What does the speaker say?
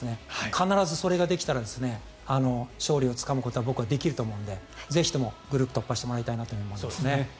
必ず、それができたら勝利をつかむことは僕はできると思うのでぜひともグループ突破をしてもらいたいなと思いますね。